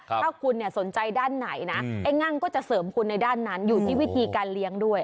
ถ้าคุณสนใจด้านไหนนะไอ้งั่งก็จะเสริมคุณในด้านนั้นอยู่ที่วิธีการเลี้ยงด้วย